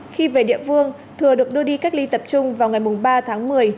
khi về địa phương thừa được đưa đi cách ly tập trung vào ngày ba tháng một mươi